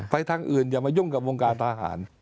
ไปทำธุรกิจอื่นอย่ามายุ่งกับวงกาทหาร